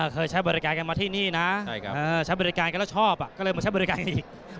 เคยใช้บริการกันมาที่นี่นะใช้บริการกันแล้วชอบก็เลยมาใช้บริการอีก